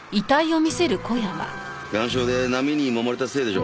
岩礁で波にもまれたせいでしょう。